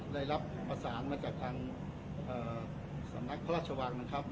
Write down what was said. ได้รับประสานมาจากทางสำนักพระราชวังนะครับ